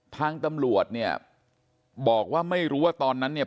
ทางตำรวจเนี่ยบอกว่าไม่รู้ว่าตอนนั้นเนี่ย